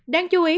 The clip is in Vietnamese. đáng chú ý